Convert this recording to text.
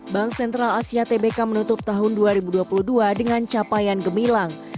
bank sentral asia tbk menutup tahun dua ribu dua puluh dua dengan capaian gemilang